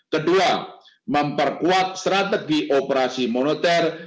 kedua memperkuat strategi operasi moneter